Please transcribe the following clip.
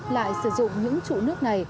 lại sử dụng những trụ nước này